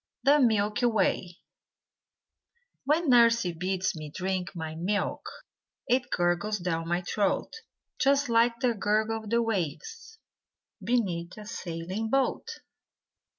THE MILKY WAY When nursey bids me drink my milk It gurgles down my throat Just like the gurgle of the waves Beneath a sailing boat.